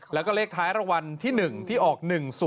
แล้วก็เลขท้ายรางวัลที่๑ที่ออก๑๐